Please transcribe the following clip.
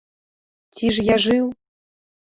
Ці ж я жыў?